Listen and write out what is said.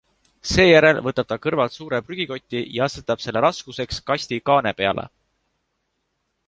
Seejärel võtab ta kõrvalt suure prügikoti ja asetab selle raskuseks kasti kaane peale.